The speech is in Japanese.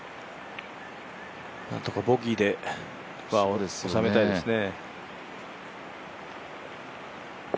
なんとかボギーで収めたいですね。